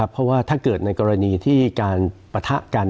เพราะว่าถ้าเกิดในกรณีที่การปะทะกัน